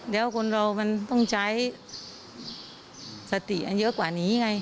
แล้วคนเรามันต้องใช้สติมันเยอะกว่านี้ไง